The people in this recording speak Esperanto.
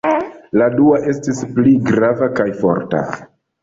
La dua estis pli grava kaj forta.